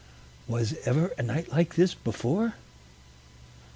Was ever a night like this before?